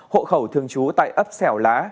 hộ khẩu thương chú tại ấp sẻo lá